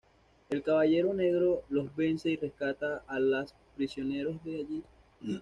El caballero negro los vence y rescata a los prisioneros de allí.